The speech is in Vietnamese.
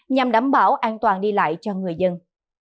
nhằm đảm bảo an toàn đi lại cho người dân